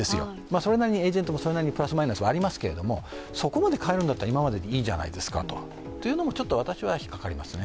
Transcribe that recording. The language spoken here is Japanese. それなりにエージェントもプラスマイナスありますけれども、そこまで変えるんだったら今まででいいんじゃないですかというのも私はちょっと引っ掛かりますね。